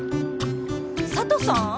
・佐都さん？